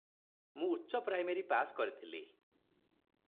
ମୁଁ ଉଚ୍ଚପ୍ରାଇମେରି ପାଶ୍ କରିଥିଲି ।"